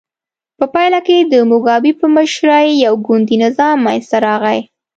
په پایله کې د موګابي په مشرۍ یو ګوندي نظام منځته راغی.